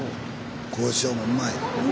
交渉もうまい。